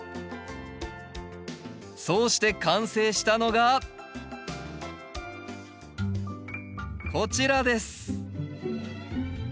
そうして完成したのがこちらです。